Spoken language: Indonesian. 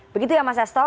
begitu ya mas eston